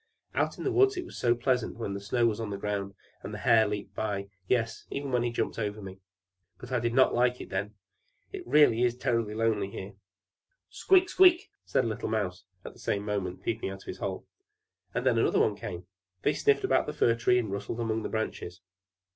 And out in the woods it was so pleasant, when the snow was on the ground, and the hare leaped by; yes even when he jumped over me; but I did not like it then! It is really terribly lonely here!" "Squeak! Squeak!" said a little Mouse, at the same moment, peeping out of his hole. And then another little one came. They snuffed about the Fir Tree, and rustled among the branches.